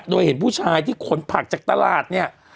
โดยเห็นผู้ชายที่ขนผักจากตลาดเนี่ย